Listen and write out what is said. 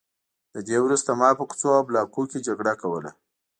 له دې وروسته ما په کوڅو او بلاکونو کې جګړه کوله